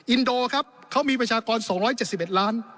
อินโดรย์มีประฉากร๒๗๑ล้านหลาน